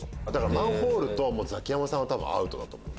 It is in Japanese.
マンホールとザキヤマさんはアウトだと思う。